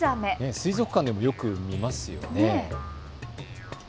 水族館でもよく見ますよね。